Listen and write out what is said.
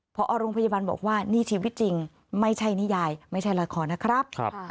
พอโรงพยาบาลบอกว่านี่ชีวิตจริงไม่ใช่นิยายไม่ใช่ละครนะครับ